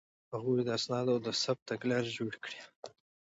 هغوی د اسنادو د ثبت تګلارې جوړې کړې.